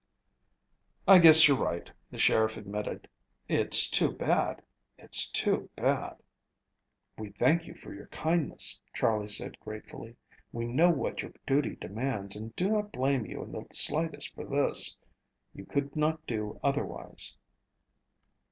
"I guess you're right," the sheriff admitted. "It's too bad, it's too bad." "We thank you for your kindness," Charley said gratefully. "We know what your duty demands and do not blame you in the slightest for this. You could not do otherwise."